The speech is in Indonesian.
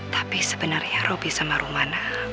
tapi sebenernya robby sama rumana